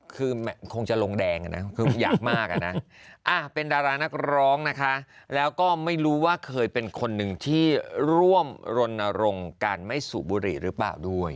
คือคงจะลงแดงนะคืออยากมากอะนะเป็นดารานักร้องนะคะแล้วก็ไม่รู้ว่าเคยเป็นคนหนึ่งที่ร่วมรณรงค์การไม่สูบบุหรี่หรือเปล่าด้วย